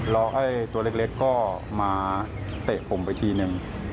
แล้วไอ้ตัวเล็กก็มาเตะผมไปทีนึง